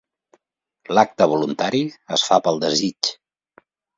L'acte voluntari es fa pel desig.